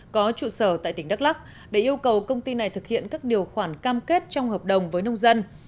có trụ sở tại tỉnh đắk lắc để yêu cầu công ty này thực hiện các điều khoản cam kết trong hợp đồng với nông dân